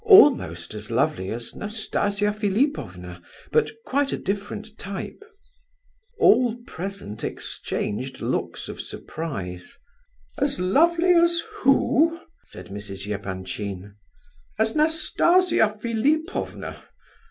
"Almost as lovely as Nastasia Philipovna, but quite a different type." All present exchanged looks of surprise. "As lovely as who?" said Mrs. Epanchin. "As _Nastasia Philipovna?